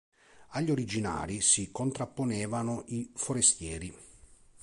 Agli originari si contrapponevano i forestieri.